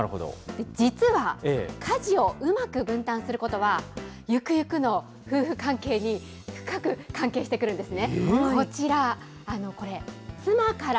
実は、家事をうまく分担することは、ゆくゆくの夫婦関係に深く関係してくるんですね。